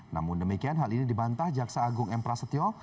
namun demikian hal ini dibantah jaksa agung m prasetyo